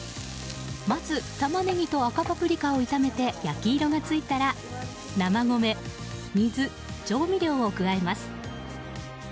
まず、タマネギと赤パプリカを炒めて焼き色がついたら生米、水、調味料を加えます。